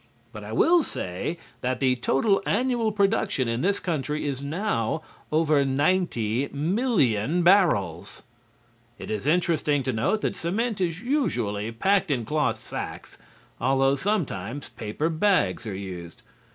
But I will say that the total annual production in this country is now over 90,000,000 barrels. It is interesting to note that cement is usually packed in cloth sacks, although sometimes paper bags are used.